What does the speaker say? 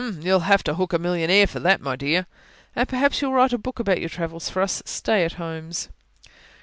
"You'll have to hook a millionaire for that, my dear." "And perhaps you'll write a book about your travels for us stay at homes."